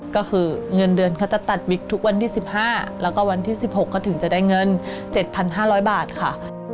ก็คือเงินเดือนเขาจะตัดวิกทุกวันที่๑๕แล้วก็วันที่๑๖ก็ถึงจะได้เงิน๗๕๐๐บาทค่ะ